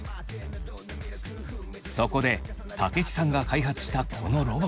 そこで武智さんが開発したこのロボット。